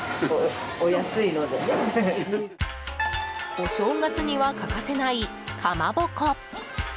お正月には欠かせないかまぼこ。